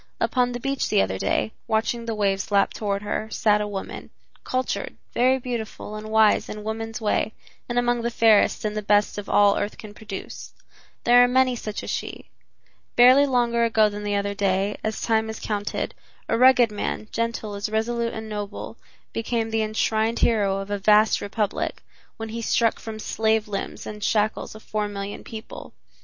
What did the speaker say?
Upon the beach the other day, watching the waves lap toward her, sat a woman, cultured, very beautiful and wise in woman's way and among the fairest and the best of all earth can produce. There are many such as she. Barely longer ago than the other day, as time is counted, a rugged man, gentle as resolute and noble, became the enshrined hero of a vast republic, when he struck from slave limbs the shackles of four million people.